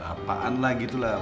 apaan lah gitu lah